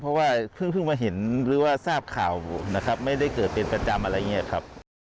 เพราะว่าเพิ่งมาเห็นหรือว่าทราบข่าวอยู่นะครับไม่ได้เกิดเป็นประจำอะไรอย่างนี้ครับ